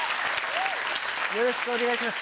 よろしくお願いします。